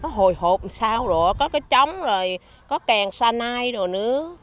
múa mình rất là cảm nhận là nó hồi hộp sao rồi có cái trống rồi có kèn sa nai đồ nữa